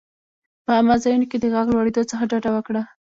په عامه ځایونو کې د غږ لوړېدو څخه ډډه وکړه.